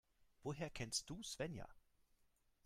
Woher kennst du Svenja?